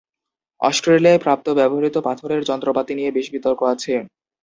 অস্ট্রেলিয়ায় প্রাপ্ত ব্যবহৃত পাথরের যন্ত্রপাতি নিয়ে বেশ বিতর্ক আছে।